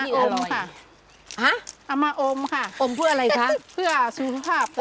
เอามาอมค่ะอมเพื่ออะไรคะเพื่อสุทธิภาพ